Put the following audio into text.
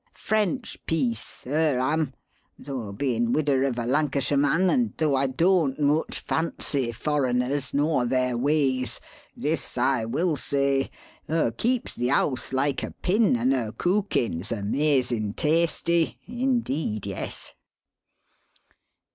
French piece, her am, though bein' widder of a Lancashire man, and though I doan't much fancy foreigners nor their ways, this I will say: her keeps the house like a pin and her cookin's amazin' tasty indeed, yes."